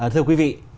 thưa quý vị